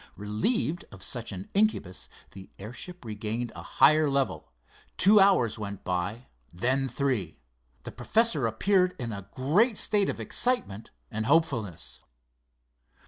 Relieved of such an incubus the airship regained a higher level. Two hours went by, then three. The professor appeared in a great state of excitement and hopefulness.